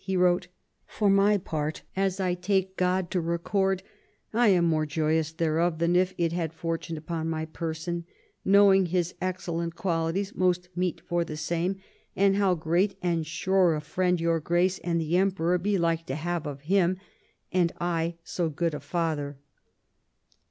he wrote, "For my part, as I take God to record, I am more joyous thereof than if it had fortuned upon my person, knowing his excellent qualities most meet for the same, and how great and sure a friend your Grace and the Emperor be like to have of him, and I so good a father."